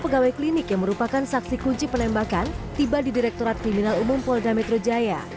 pegawai klinik yang merupakan saksi kunci penembakan tiba di direktorat kriminal umum polda metro jaya